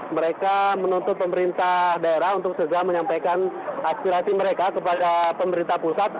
mereka menuntut pemerintah daerah untuk segera menyampaikan aspirasi mereka kepada pemerintah pusat